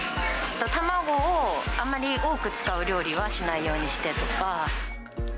卵をあんまり多く使う料理はしないようにしてとか。